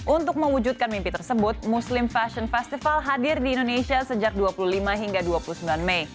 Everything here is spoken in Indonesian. untuk mewujudkan mimpi tersebut muslim fashion festival hadir di indonesia sejak dua puluh lima hingga dua puluh sembilan mei